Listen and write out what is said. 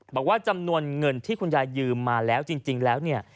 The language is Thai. บอกว่าจำนวนเงินที่คุณยายยืมมาแล้วจริงแล้วเนี่ย